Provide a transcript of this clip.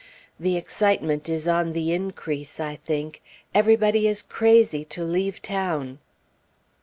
The excitement is on the increase, I think. Everybody is crazy to leave town.